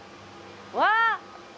わあ！